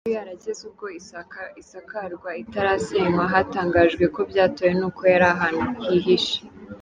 Kuba inzu yarageze ubwo isakarwa itarasenywa, hatangajwe ko byatewe n’uko yari ahantu hihishe.